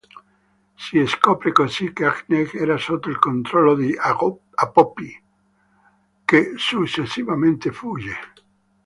Si scopre così che Agnes era sotto il controllo di Apopi che successivamente fugge.